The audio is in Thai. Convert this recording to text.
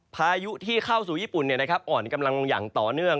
พายุที่เข้าสู่ญี่ปุ่นอ่อนกำลังลงอย่างต่อเนื่อง